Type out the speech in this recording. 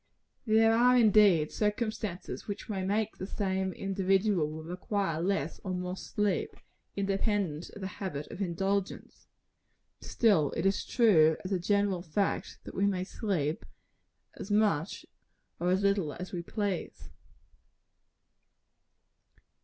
There are, indeed, circumstances which may make the same individual require less or more sleep, independent of the habit of indulgence: still it is true, as a general fact, that we may sleep as much or as little as we please.